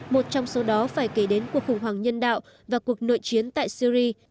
một trong số đó phải kể đến cuộc khủng hoảng nhân đạo và cuộc nội chiến tại syri